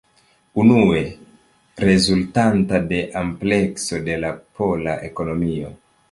Unue: rezultanta de amplekso de la pola ekonomio.